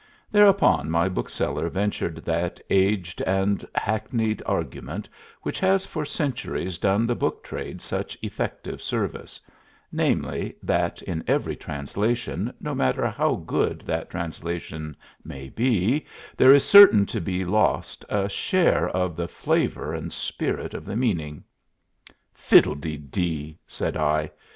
Thereupon my bookseller ventured that aged and hackneyed argument which has for centuries done the book trade such effective service namely, that in every translation, no matter how good that translation may be, there is certain to be lost a share of the flavor and spirit of the meaning. "Fiddledeedee!" said I.